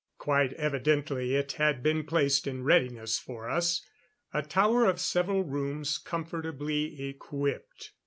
Quite evidently it had been placed in readiness for us. A tower of several rooms, comfortably equipped.